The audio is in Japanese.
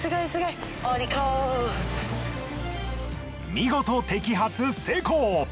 見事摘発成功。